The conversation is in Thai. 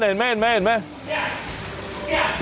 นี่เห็นไหม